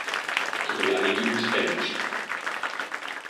και το λαρύγγι μου στέγνωσε.